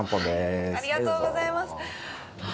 ありがとうございます。